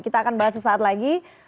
kita akan bahas sesaat lagi